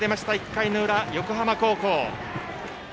１回の裏、横浜高校。